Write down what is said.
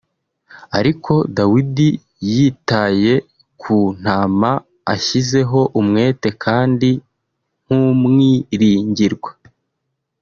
Ariko Dawidi yitaye ku ntama ashyizeho umwete kandi nk'umwiringirwa